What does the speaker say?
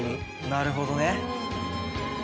なるほどね。